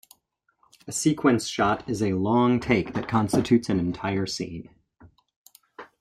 A sequence shot is a long take that constitutes an entire scene.